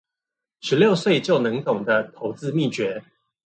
十六歲就能懂的投資祕訣